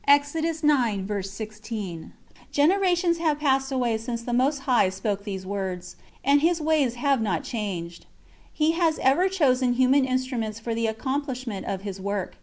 " Generations have passed away since the Most High spoke these words, and His ways have not changed. He has ever chosen human instruments for the accomplishment of His work.